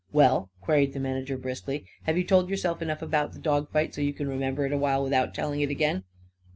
"Well," queried the manager briskly, "have you told yourself enough about the dog fight, so's you c'n remember it a while without telling it again?"